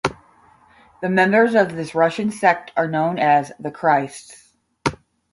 The members of this Russian sect are known as the Christs.